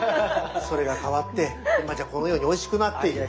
それが変わって今じゃこのようにおいしくなっている。